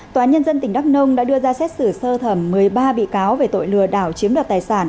tòa nhân dân tỉnh đắk nông đã đưa ra xét xử sơ thẩm một mươi ba bị cáo về tội lừa đảo chiếm đoạt tài sản